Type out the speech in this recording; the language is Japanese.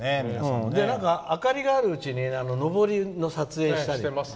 明かりがあるうちにのぼりの撮影をしたり。